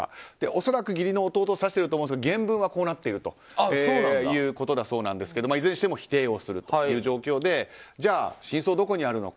恐らく義理の弟を指しているんですが原文はこうなっているということだそうですがいずれにしても否定をする状況で真相はどこにあるのか。